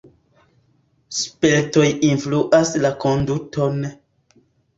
Spertoj influas la konduton.